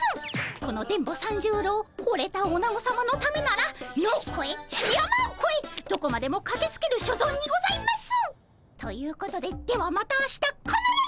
この電ボ三十郎ほれたおなごさまのためなら野をこえ山をこえどこまでもかけつける所存にございます！ということでではまた明日かならず！